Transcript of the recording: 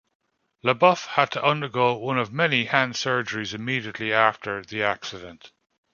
LaBeouf had to undergo one of many hand surgeries immediately after the accident.